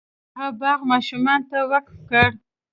هغه باغ ماشومانو ته وقف کړ.